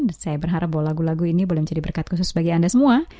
dan saya berharap bahwa lagu lagu ini boleh menjadi berkat khusus bagi anda semua